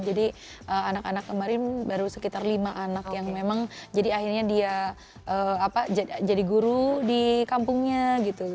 jadi anak anak kemarin baru sekitar lima anak yang memang jadi akhirnya dia jadi guru di kampungnya gitu